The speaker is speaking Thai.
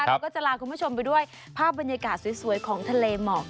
เราก็จะลาคุณผู้ชมไปด้วยภาพบรรยากาศสวยของทะเลหมอก